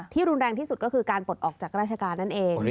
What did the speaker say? รุนแรงที่สุดก็คือการปลดออกจากราชการนั่นเอง